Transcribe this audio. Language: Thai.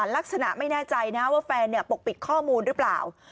ลักษณะไม่แน่ใจนะว่าแฟนปกปิดข้อมูลหรือเปล่า